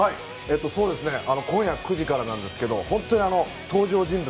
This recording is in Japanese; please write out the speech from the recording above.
今夜９時からなんですけど本当に登場人物